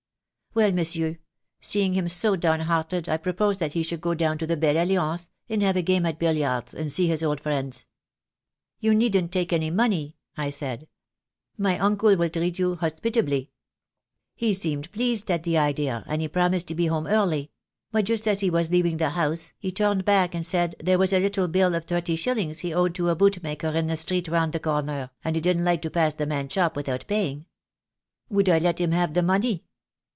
Well, monsieur, seeing him so down hearted I proposed that he should go down to the 'Belle Alliance' and have a game at billiards and see his old friends. 'You needn't take any money,' I said, 'my uncle will treat you hospitably.' He seemed pleased at the idea, and he promised to be home early; but just as he was leaving the house he turned back and said there was a little bill of thirty shillings he owed to a boot maker in the street round the corner, and he didn't like to pass the man's shop without paying. Would I let him have the money?